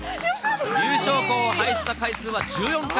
優勝校輩出した回数は１４回。